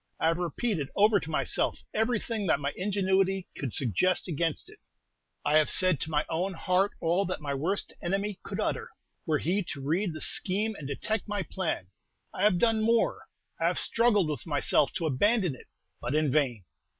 I have repeated over to myself everything that my ingenuity could suggest against it; I have said to my own heart all that my worst enemy could utter, were he to read the scheme and detect my plan; I have done more, I have struggled with myself to abandon it; but in vain.